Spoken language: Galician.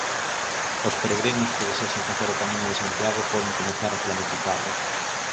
Os peregrinos que desexen facer o Camiño de Santiago poden comezar a planificalo.